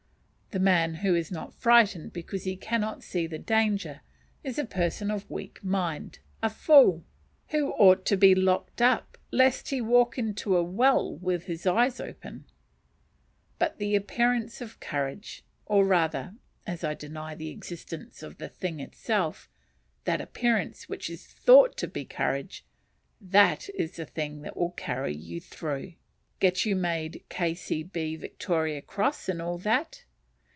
The man who is not frightened because he cannot see the danger, is a person of weak mind a fool who ought to be locked up lest he walk into a well with eyes open; but the appearance of courage or rather, as I deny the existence of the thing itself, that appearance which is thought to be courage that is the thing will carry you through! get you made K.C.B., Victoria Cross, and all that!